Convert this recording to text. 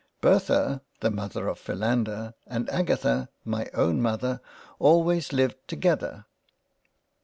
Bertha (the Mother of Philander) and Agatha (my own Mother) always lived together.